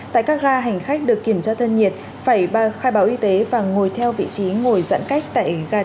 tại các ga hành khách được kiểm tra thân nhiệm